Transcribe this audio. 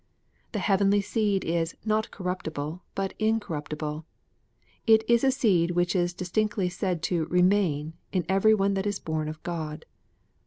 The heavenly seed is " not corruptible, but incorruptible." It is a seed which is distinctly said to " remain " in every one that is born of God.